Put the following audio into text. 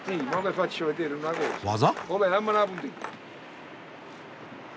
技？